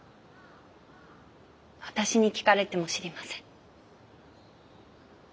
私に聞かれても知りません。